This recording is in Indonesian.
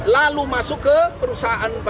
lalu masuk ke perusahaan yang lainnya